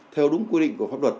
theo đúng quy định của pháp luật